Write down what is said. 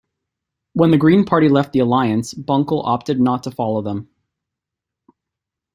When the Green Party left the Alliance, Bunkle opted not to follow them.